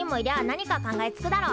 何か考えつくだろう。